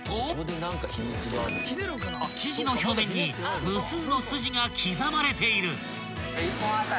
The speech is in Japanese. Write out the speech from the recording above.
［生地の表面に無数のスジが刻まれている］